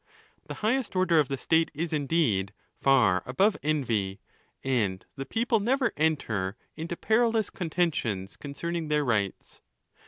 The highest order of the state is, indeed, far above envy, and the people never enter into perilous con : tentions concerning their rights.